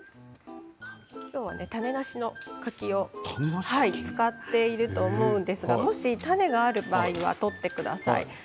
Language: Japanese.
今日は種なしの柿を使っていると思うんですがもし種がある場合は取ってください。